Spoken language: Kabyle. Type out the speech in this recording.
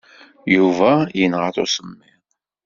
Yuba yenɣa-t usemmiḍ.